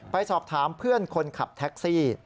ไปสอบถามเพื่อนคนขับแท็กซี่